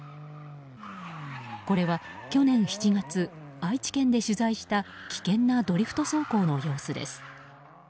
これは去年７月愛知県で取材した危険なドリフト走行の様子です。